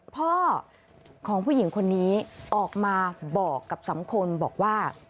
พ่อของผู้หญิงคนนี้ออกมาบอกกับสำคลบอกว่า